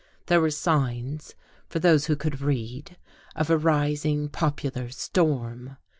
There were signs, for those who could read, of a rising popular storm.